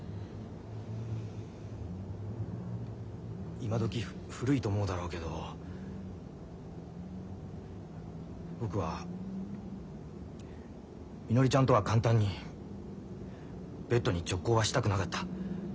今どき古いと思うだろうけど僕はみのりちゃんとは簡単にベッドに直行はしたくなかった。